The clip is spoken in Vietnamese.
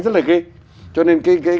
rất là ghê